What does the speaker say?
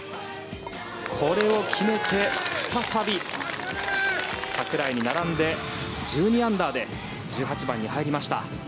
これを決めて再び櫻井に並んで１２アンダーで１８番に入りました。